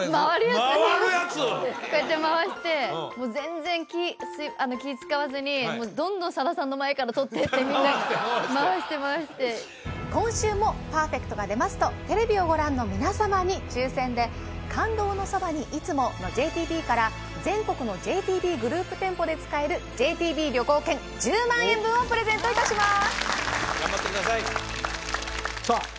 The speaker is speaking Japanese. こうやって回してもう全然気使わずにどんどんさださんの前から取っていってみんな回して回して今週もパーフェクトが出ますとテレビをご覧の皆様に抽選で「感動のそばに、いつも。」のＪＴＢから全国のＪＴＢグループ店舗で使えるＪＴＢ旅行券１０万円分をプレゼントいたします頑張ってくださいさあ